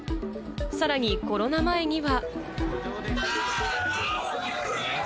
さらにコロナ前には。